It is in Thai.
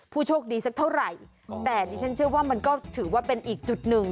โชคดีสักเท่าไหร่แต่ดิฉันเชื่อว่ามันก็ถือว่าเป็นอีกจุดหนึ่ง